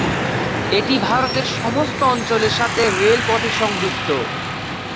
এটি ভারতের সমস্ত অঞ্চলের সাথে রেলপথে সংযুক্ত।